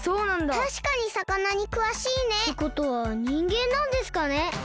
たしかにさかなにくわしいね。ってことはにんげんなんですかね。